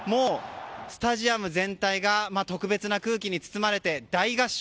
スタジアム全体が特別な空気に包まれて大合唱。